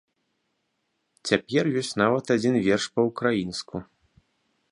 Цяпер ёсць нават адзін верш па-ўкраінску.